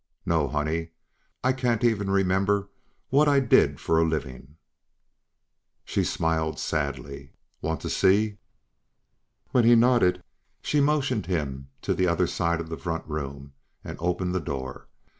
"No. Hell, honey, I can't even remember what I did for a living." She smiled sadly. "Want to see?" When he nodded, she motioned him to the other side of the front room and opened the door.